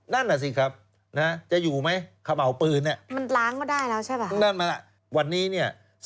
นั่นน่ะสิครับจะอยู่ไหมครบ่าวปืนเนี่ย